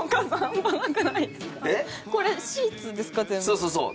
そうそうそう。